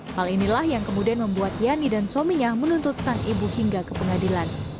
hal inilah yang kemudian membuat yani dan suaminya menuntut sang ibu hingga ke pengadilan